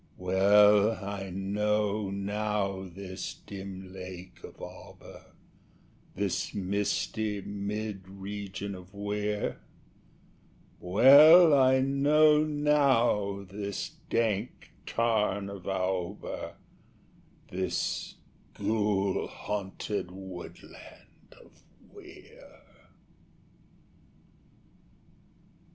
Well I know, now, this dim lake of Auber This misty mid region of Weir Well I know, now, this dank tarn of Auber, This ghoul haunted woodland of Weir."